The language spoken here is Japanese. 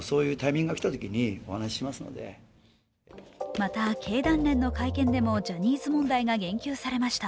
また、経団連の会見でもジャニーズ問題が言及されました。